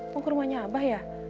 mau ke rumahnya abah ya